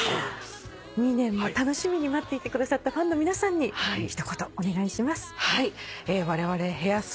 ２年も楽しみに待っていてくださったファンの皆さんに一言お願いします。